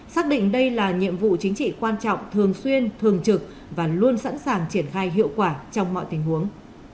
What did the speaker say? xác định đây là nhiệm vụ chính trị quan trọng thường xuyên thường trực và luôn sẵn sàng triển khai hiệu quả trong mọi tình huống